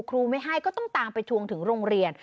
ครูไม่ให้ก็ต้องตามไปทวงถึงโรงเรียน